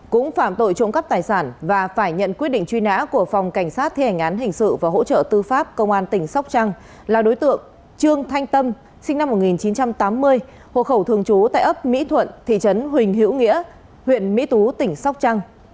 cũng phạm tội trộm cắp tài sản và phải nhận quyết định truy nã của phòng cảnh sát thi hành án hình sự và hỗ trợ tư pháp công an tỉnh sóc trăng là đối tượng trương thanh tâm sinh năm một nghìn chín trăm tám mươi hộ khẩu thường trú tại ấp mỹ thuận thị trấn huỳnh hữu nghĩa huyện mỹ tú tỉnh sóc trăng